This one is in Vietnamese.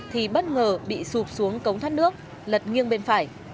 thì bất ngờ bị sụp xuống cống thoát nước lật nghiêng bên phải